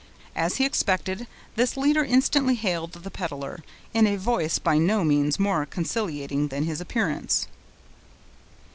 As he expected, this leader instantly hailed the peddler, in a voice by no means more conciliating than his appearance.